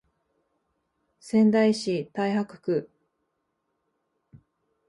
仙台市太白区